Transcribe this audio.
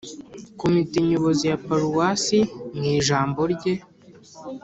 komite nyobozi ya paruwasi, mu ijambo rye,